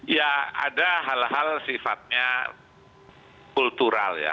ya ada hal hal sifatnya kultural ya